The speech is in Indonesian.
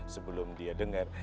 sebelum dia denger